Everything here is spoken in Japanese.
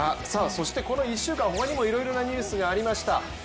そして、この１週間、他にもいろいろニュースがありました。